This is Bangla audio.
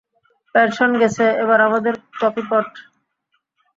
পেনশন গেছে, এবার আমাদের কফিপট।